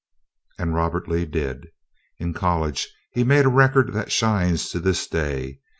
And Robert Lee did. In college he made a record that shines to this day.